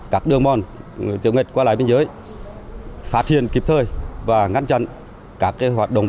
các đường mòn người tiểu ngạch qua lại biên giới phá triển kịp thời và ngăn chặn các hoạt động